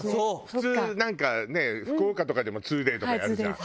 普通なんかね福岡とかでも２Ｄａｙとかやるじゃん。